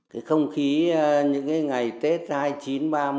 cái không khí những cái ngày tết hai mươi chín ba mươi